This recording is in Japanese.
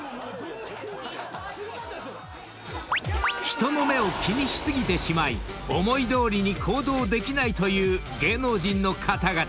［人の目を気にし過ぎてしまい思いどおりに行動できないという芸能人の方々］